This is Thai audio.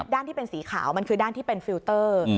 ด้านที่เป็นสีขาวมันคือด้านที่เป็นฟิลเตอร์